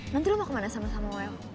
nanti lo mau kemana sama samuel